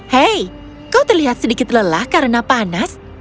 hei kau terlihat sedikit lelah karena panas